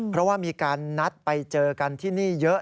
เพราะว่ามีการนัดไปเจอกันที่นี่เยอะ